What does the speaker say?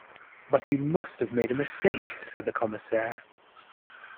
"But you must have made a mistake," said the Commissaire.